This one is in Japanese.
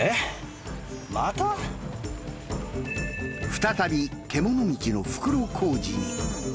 再び獣道の袋小路に。